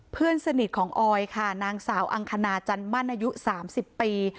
เพื่อนสนิทของออยค่ะนางสาวอังคณาจันมั่นอายุ๓๐ปี